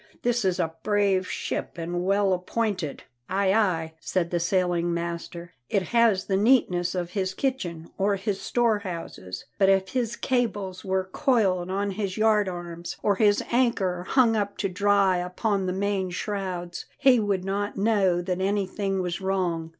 This is a brave ship and well appointed." "Ay, ay," said the sailing master, "it has the neatness of his kitchen or his storehouses; but if his cables were coiled on his yard arms or his anchor hung up to dry upon the main shrouds, he would not know that anything was wrong.